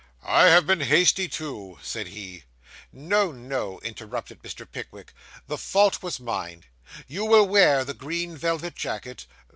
'I have been hasty, too,' said he. 'No, no,' interrupted Mr. Pickwick, 'the fault was mine. You will wear the green velvet jacket?